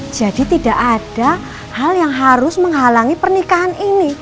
jadi tidak ada hal yang harus menghalangi pernikahan ini